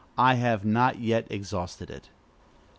I have not yet exhausted it.